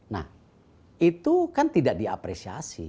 nah itu kan tidak diapresiasi